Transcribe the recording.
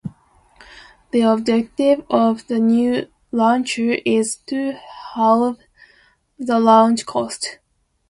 The objective of the new launcher is to halve the launch costs.